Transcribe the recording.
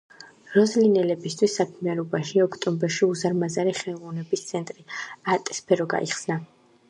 როზლინელებისთვის საქმიან უბანში ოქტომბერში უზარმაზარი ხელოვნების ცენტრი -არტისფერო- გაიხსნა.